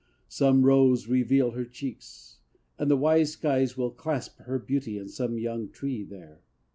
Some rose reveal her cheeks: and the wise skies Will clasp her beauty in some young tree there.